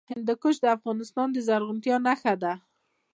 هندوکش د افغانستان د زرغونتیا نښه ده.